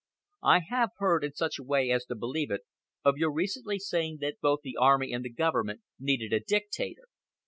I have heard, in such a way as to believe it, of your recently saying that both the army and the Government needed a dictator.